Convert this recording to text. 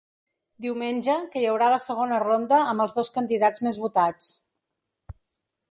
Diumenge que hi haurà la segona ronda amb els dos candidats més votats.